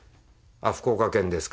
「福岡ですか？」